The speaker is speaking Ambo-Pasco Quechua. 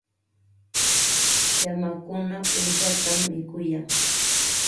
Llamakuna uqshatam mikuyan.